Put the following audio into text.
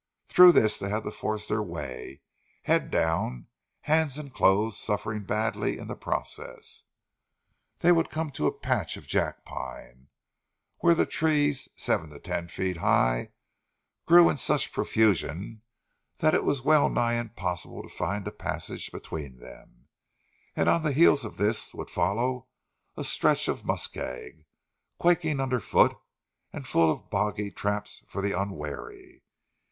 Through this they had to force their way, head down, hands and clothes suffering badly in the process. Then would come a patch of Jack pine, where trees seven to ten feet high grew in such profusion that it was well nigh impossible to find a passage between them; and on the heels of this would follow a stretch of muskeg, quaking underfoot, and full of boggy traps for the unwary.